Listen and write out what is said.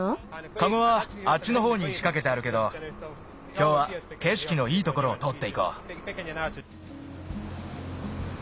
カゴはあっちのほうにしかけてあるけどきょうはけしきのいいところをとおっていこう。